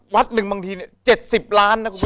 วัดหนึ่งบางที๗๐ล้านดาวนะฮะ